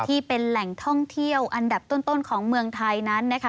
ที่เป็นแหล่งท่องเที่ยวอันดับต้นของเมืองไทยนั้นนะคะ